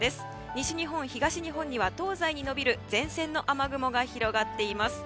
西日本、東日本には東西に延びる前線の雨雲が広がっています。